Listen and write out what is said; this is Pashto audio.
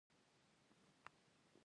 چار مغز د افغانستان د ملي هویت نښه ده.